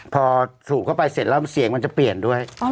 พอสูบเข้าไปเสร็จแล้วเสียงมันจะเปลี่ยนด้วย